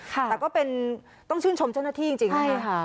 แต่ก็เป็นต้องชื่นชมเจ้าหน้าที่จริงนะ